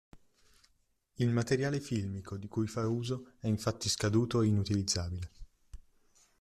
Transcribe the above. Il materiale filmico di cui fa uso è infatti scaduto e inutilizzabile.